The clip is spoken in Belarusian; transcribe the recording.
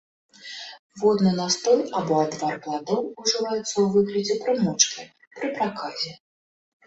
Водны настой або адвар пладоў ужываецца ў выглядзе прымочкі пры праказе.